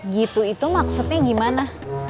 gitu itu maksudnya gimana